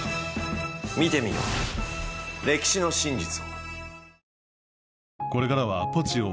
見てみよう歴史の真実を。